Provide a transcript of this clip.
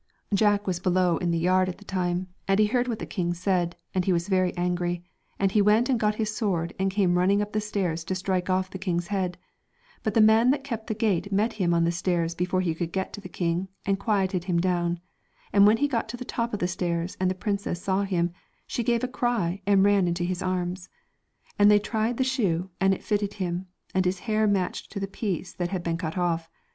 Jack was below in the yard at the time, 223 The and he heard what the king said, and he Celtic j i_ j Twilight, was very angry, and he went and got his sword and came running up the stairs to strike off the king's head, but the man that kept the gate met him on the stairs before he could get to the king, and quieted him down, and when he got to the top of the stairs and the princess saw him, she gave a cry and ran into his arms. And they tried the shoe and it fitted him, and his hair matched to the piece that had been cut off.